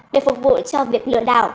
để phục vụ cho việc lừa đảo